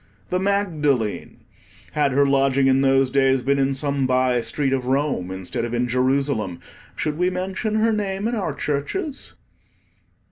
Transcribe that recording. The Magdalene! had her lodging in those days been in some bye street of Rome instead of in Jerusalem, should we mention her name in our churches?